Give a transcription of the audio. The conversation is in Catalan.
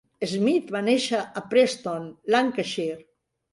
Smith va néixer a Preston, Lancashire.